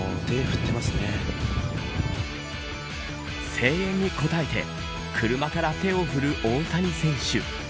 声援に応えて車から手を振る大谷選手。